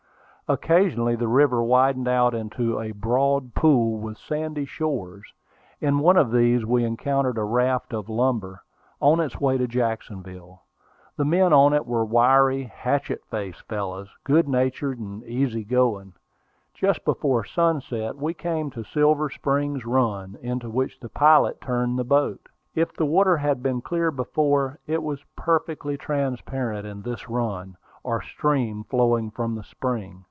Occasionally the river widened out into a broad pool, with sandy shores. In one of these we encountered a raft of lumber, on its way to Jacksonville. The men on it were wiry, hatchet faced fellows, good natured and easy going. Just before sunset we came to Silver Spring Run, into which the pilot turned the boat. If the water had been clear before, it was perfectly transparent in this run, or stream flowing from the spring.